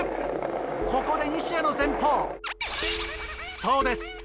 ここで西矢の前方そうです